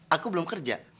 aku belum kerja